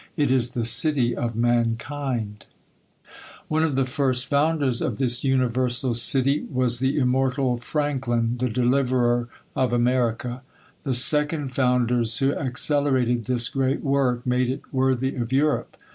It is the city of mankind ! One of the first founders of this universal city was the immortal FRANKLIN, the deliverer of America. The second founders, who accelerated this great work, made it worthy of Europe.